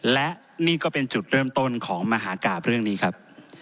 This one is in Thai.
และนี่ก็เป็นจุดเริ่มต้นของมหากราบเรื่องนี้ครับ